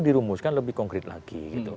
dirumuskan lebih konkret lagi